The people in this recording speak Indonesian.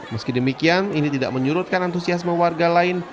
meski demikian ini tidak menyurutkan antusiasme warga lain